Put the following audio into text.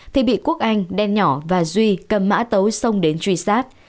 thì bị quốc anh đen nhỏ và duy cầm mã tấu xông đến truy sát